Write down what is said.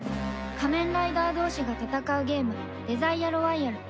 仮面ライダー同士が戦うゲームデザイアロワイヤル